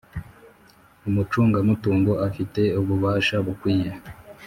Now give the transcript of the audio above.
Umucungamutungo afite ububasha bukwiye